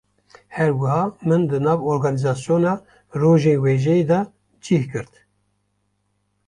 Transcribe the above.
Her wiha, min di nav organîzasyona Rojên Wêjeyê de cih girt